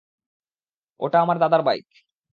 ওটা আমার দাদার বাইক।